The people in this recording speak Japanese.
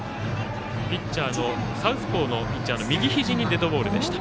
サウスポーのピッチャーの右ひじにデッドボールでした。